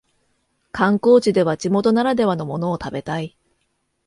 観光地では地元ならではのものを食べたい